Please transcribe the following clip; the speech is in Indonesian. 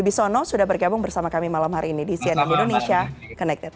bibisono sudah bergabung bersama kami malam hari ini di cnn indonesia connected